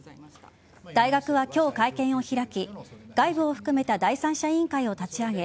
大学は今日、会見を開き外部を含めた第三者委員会を立ち上げ